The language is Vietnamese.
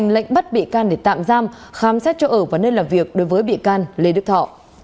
lệnh bắt bị can để tạm giam khám xét cho ở và nơi làm việc đối với bị can lê đức thọ